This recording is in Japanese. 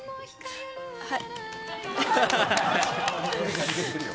はい。